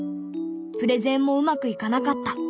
プレゼンもうまくいかなかった。